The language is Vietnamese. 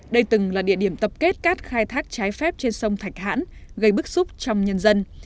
đây từng là địa điểm tập kết cát khai thác trái phép trên sông thạch hãn gây bức xúc trong nhân dân